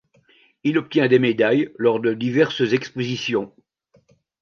Il obtient des médailles lors de diverses expositions.